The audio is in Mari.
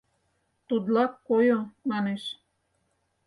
— Тудлак койо, манеш.